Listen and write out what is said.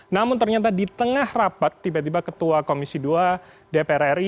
namun ternyata di tengah rapat tiba tiba ketua komisi dua dpr ri